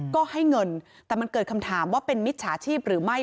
ก็ให้เงินแต่มันเกิดคำถามว่าเป็นมิจฉาชีพหรือไม่